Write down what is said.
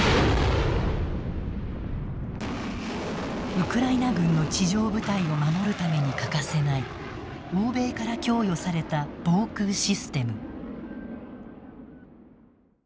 ウクライナ軍の地上部隊を守るために欠かせない欧米から供与された防空システム。